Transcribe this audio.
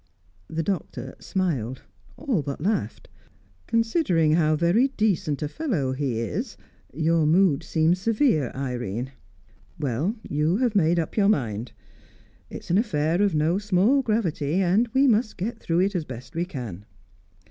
The Doctor smiled, all but laughed. "Considering how very decent a fellow he is, your mood seems severe, Irene. Well, you have made up your mind. It's an affair of no small gravity, and we must get through it as best we can.